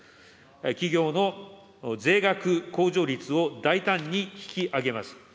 企業の税額控除率を大胆に引き上げます。